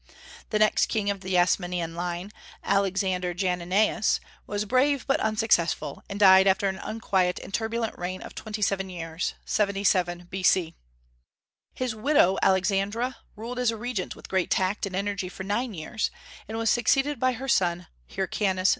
The next king of the Asmonean line, Alexander Jannaeus, was brave, but unsuccessful, and died after an unquiet and turbulent reign of twenty seven years, 77 B.C. His widow, Alexandra, ruled as regent with great tact and energy for nine years, and was succeeded by her son Hyrcanus II.